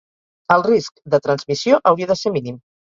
El risc de transmissió hauria de ser mínim.